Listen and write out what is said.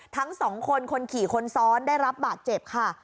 ทั้งสองคนคนขี่คนซ้อนได้รับบาดเจ็บค่ะ